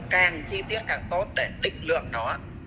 càng chi tiết càng tốt để định lượng nó